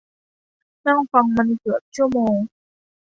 นั่งฟังมันเกือบชั่วโมง